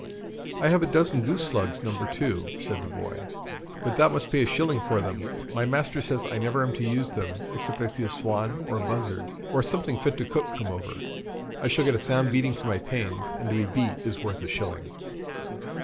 'I have a dozen goose slugs, No. 2,' said the boy; 'but thou must pay a shilling for them. My master says I never am to use them, except I see a swan or buzzard, or something fit to cook, come over: I shall get a sound beating for my pains, and to be beat is worth a shilling.'